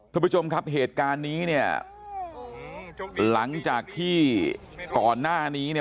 คุณผู้ชมครับเหตุการณ์นี้เนี่ยหลังจากที่ก่อนหน้านี้เนี่ย